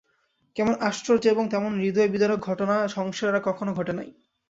তেমন আশ্চর্য এবং তেমন হৃদয়বিদারক ঘটনা সংসারে আর কখনো ঘটে নাই।